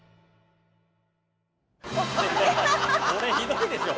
「これひどいでしょ？